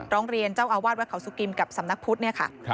ร้องเรียนเจ้าอาวาสวัดเขาสุกิมกับสำนักพุทธเนี่ยค่ะ